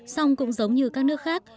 xong cũng giống như các nước khác